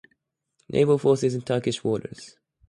Naval Forces in Turkish waters.